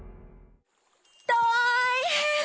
たいへん！